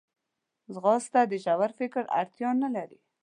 ځغاسته د ژور فکر اړتیا نه لري